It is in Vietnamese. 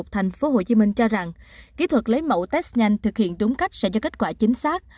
thành phố hồ chí minh cho rằng kỹ thuật lấy mẫu test nhanh thực hiện đúng cách sẽ cho kết quả chính xác